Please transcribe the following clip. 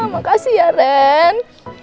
makasih ya ren